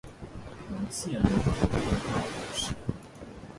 芒谢人口变化图示